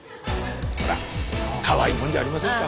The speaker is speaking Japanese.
ほらかわいいもんじゃありませんか。